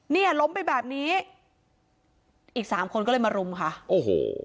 เนี่ยล้มไปแบบนี้อีกสามคนก็เลยมารุมค่ะโอ้โห